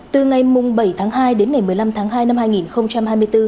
từ ngày bảy tháng hai đến ngày một mươi năm tháng hai năm hai nghìn hai mươi bốn